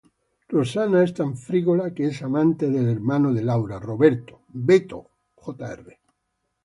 Rosana es tan frívola que es amante del hermano de Laura, Roberto "Beto" Jr.